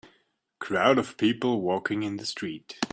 crowd of people walking in the street